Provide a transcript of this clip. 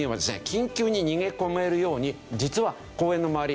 緊急に逃げ込めるように実は公園の周り